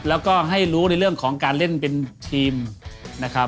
แล้วก็ให้รู้ในเรื่องของการเล่นเป็นทีมนะครับ